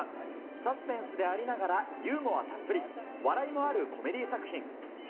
サスペンスでありながら、ユーモアたっぷり、笑いもあるコメディー作品。